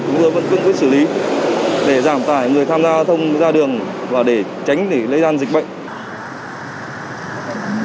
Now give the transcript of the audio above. chúng tôi vẫn cương quyết xử lý để giảm tải người tham gia thông ra đường và để tránh để lây lan dịch bệnh